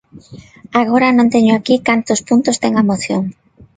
Agora non teño aquí cantos puntos ten a moción.